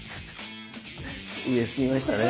上すぎましたね。